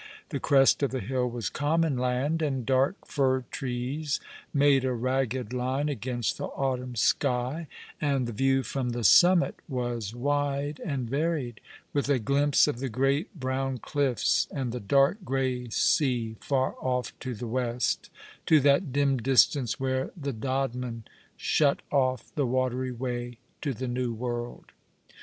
The crest of the hill was common land, and dark fir trees made a ragged line against the autumn sky, and the view from the summit was wide and varied, with a glimpse of the great brown cliffs and the dark, grey sea far off to the west, to that dim distance where the Dodman shut off the watery way to the new world.